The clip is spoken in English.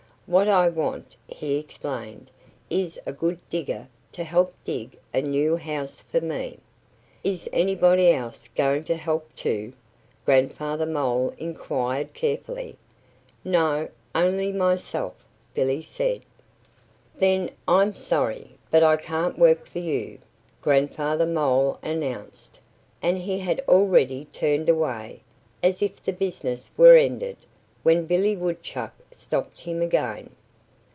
"What I want," he explained, "is a good digger to help dig a new house for me." "Is anybody else going to help too?" Grandfather Mole inquired carefully. "No only myself!" Billy said. "Then I'm sorry; but I can't work for you," Grandfather Mole announced. And he had already turned away, as if the business were ended, when Billy Woodchuck stopped him again.